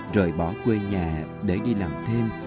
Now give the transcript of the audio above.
rồi bỏ quê nhà để đi làm thêm